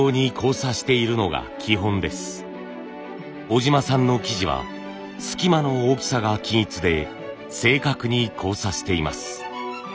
小島さんの生地は隙間の大きさが均一で正確に交差しています。